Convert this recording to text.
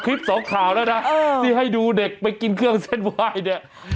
๒คลิป๒ข่าวนะนี่ให้ดูเด็กไปกินเครื่องเส้นไวน์